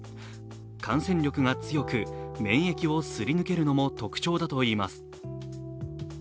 感染力が強く免疫をすり抜けるのも特徴だといいます。